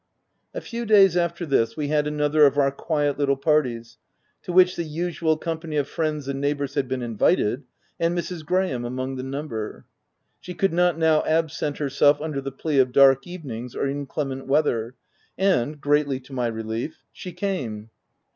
A few days after this, we had another of our quiet little parties, to which the usual company of friends and neighbours had been invited, and Mrs. Graham among the number. She could not now absent herself under the plea of dark evenings or inclement weather, and, greatly to my relief, she came.